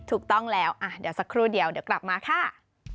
ถูกต้องแล้วเดี๋ยวสักครู่เดียวเดี๋ยวกลับมาค่ะ